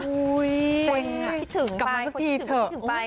กลับมาเมื่อกี้เถอะ